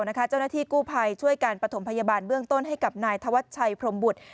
เจ้าหน้าที่กู้ภัยช่วยการปฐมพยาบาลเบื้องต้นให้กับนายธวัชชัยพรมบุตร